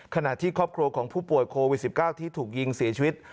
ขณะที่ครอบครัวของผู้ป่วยโควิด๑๙ที่ถูกยิงเสียชีวิต